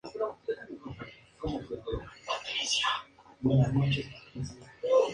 Su madre es de origen bohemio, originaria de la antigua República Checa.